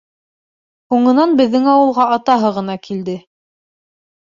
Һуңынан беҙҙең ауылға атаһы ғына килде.